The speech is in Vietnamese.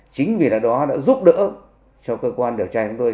chính vì là đó đã giúp đỡ cho cơ quan điều tra chúng tôi